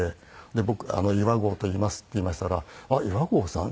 で「僕岩合といいます」って言いましたら「あっ岩合さん？